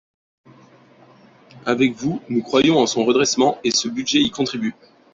Avec vous, nous croyons en son redressement et ce budget y contribue